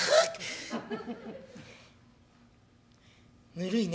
ぬるいね」。